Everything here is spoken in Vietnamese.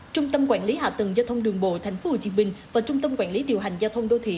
trung tâm quản lý hạ tầng giao thông đường bộ tp hcm và trung tâm quản lý điều hành giao thông đô thị